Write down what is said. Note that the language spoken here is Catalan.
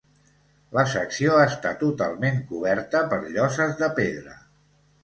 La secció està totalment coberta per lloses de pedra.